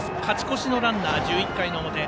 勝ち越しのランナー、１１回の表。